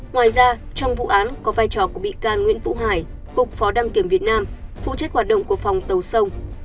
ngoài ra trong vụ án có vai trò của bị can nguyễn vũ hải cục phó đăng kiểm việt nam phụ trách hoạt động của phòng tàu sông